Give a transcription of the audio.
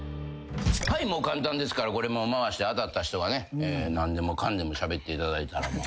もう簡単ですからこれ回して当たった人がね何でもかんでもしゃべっていただいたら。